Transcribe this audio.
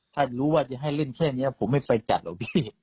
ถ้ารู้ว่าจะให้เล่นแค่นี้ผมไม่ไปจัดหรอกพี่